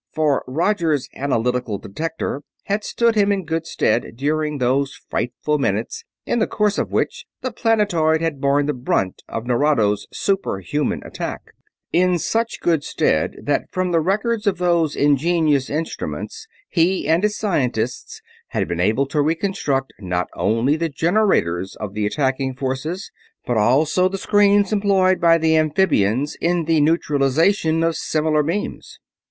For Roger's analytical detector had stood him in good stead during those frightful minutes in the course of which the planetoid had borne the brunt of Nerado's super human attack; in such good stead that from the records of those ingenious instruments he and his scientists had been able to reconstruct not only the generators of the attacking forces, but also the screens employed by the amphibians in the neutralization of similar beams.